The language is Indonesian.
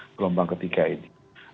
gelombang ketiga ini